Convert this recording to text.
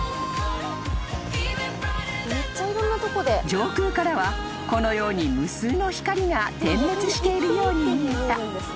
［上空からはこのように無数の光が点滅しているように見えた］